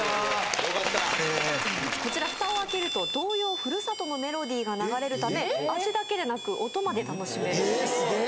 ・よかったこちらフタを開けると童謡「ふるさと」のメロディが流れるため味だけでなく音まで楽しめるんですえっ